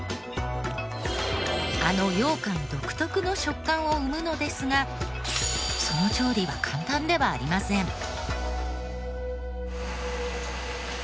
あのようかん独特の食感を生むのですがその調理は簡単ではありません。